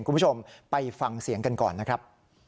คุณผู้ชมไปฟังเสียงกันก่อนนะครับ